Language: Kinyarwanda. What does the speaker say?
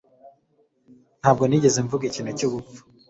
Ntabwo nigeze mvuga ikintu cyubupfu.